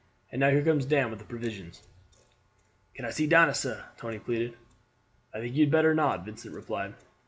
And now here comes Dan with the provisions." "Can I see Dinah, sah?" Tony pleaded. "I think you had better not," Vincent replied.